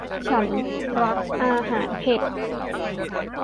ฉันรักอาหารเผ็ด